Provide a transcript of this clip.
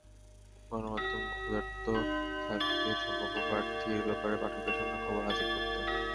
গণমাধ্যম ক্ষুধার্ত থাকবে সম্ভাব্য প্রার্থীর ব্যাপারে পাঠকের সামনে খবর হাজির করতে।